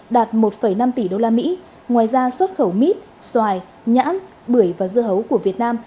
đạt một năm tỷ usd ngoài ra xuất khẩu mít xoài nhãn bưởi và dưa hấu của việt nam